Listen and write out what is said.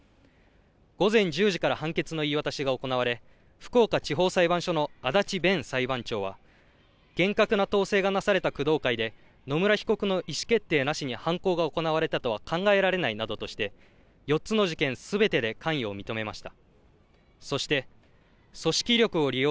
午前１０時から判決の言い渡しが行われ、福岡地方裁判所の足立勉裁判長は、厳格な統制がなされた工藤会で、野村被告の意思決定なしに犯行が行われたとは考えられないなどとして、４つの事件すべてで関与を認めました。